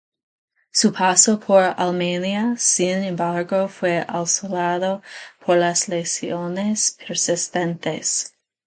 Su paso por Alemania, sin embargo, fue asolado por las lesiones persistentes.